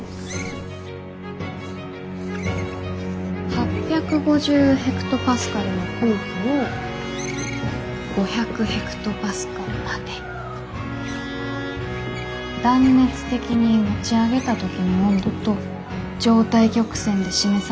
８５０ヘクトパスカルの空気を５００ヘクトパスカルまで断熱的に持ち上げた時の温度と状態曲線で示された実際の。